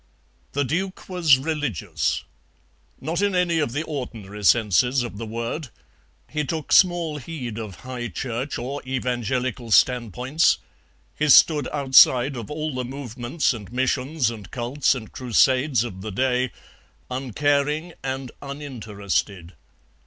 The Duke was religious. Not in any of the ordinary senses of the word; he took small heed of High Church or Evangelical standpoints, he stood outside of all the movements and missions and cults and crusades of the day, uncaring and uninterested.